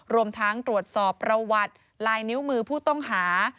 รวมทั้งตรวจสอบประวัติลายนิ้วมือผู้ต้องหา